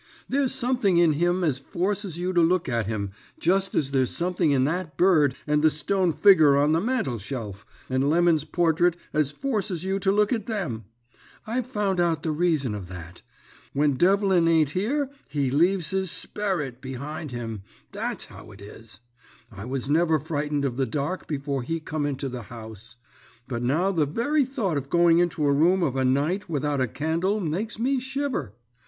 There's something in him as forces you to look at him just as there's something in that bird, and the stone figger on the mantelshelf, and Lemon's portrait as forces you to look at them. I've found out the reason of that. When Devlin ain't here he leaves his sperrit behind him that's how it is. I was never frightened of the dark before he come into the house, but now the very thought of going into a room of a night without a candle makes me shiver.